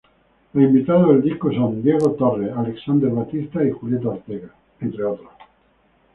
Los invitados del disco son: Diego Torres, Alexander Batista y Julieta Ortega, entre otros.